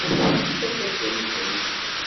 Ifakk-akent-tent.